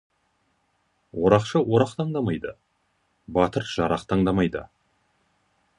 Орақшы орақ таңдамайды, батыр жарақ таңдамайды.